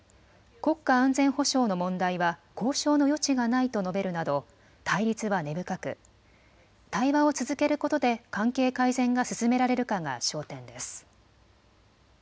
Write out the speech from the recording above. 国家安全保障の問題は交渉の余地がないと述べるなど対立は根深く対話を続けることで関係改善が進められるかが焦点です。